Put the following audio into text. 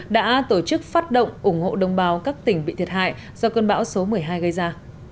đã tổ chức phát động ủng hộ đồng bào các tỉnh bị thiệt hại do cơn bão số một mươi hai gây ra